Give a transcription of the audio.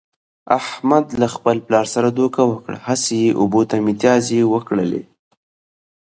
احمد له خپل پلار سره دوکه وکړه، هسې یې اوبو ته متیازې و کړلې.